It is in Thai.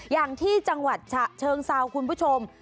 อย่างที่จังหวัดฉะเชิงเซาคุณผู้ชม